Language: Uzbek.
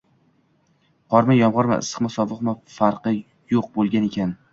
Qormi, yomgʻirmi, issiqmi, sovuqmi farqi yoʻq boʻlgan ekan.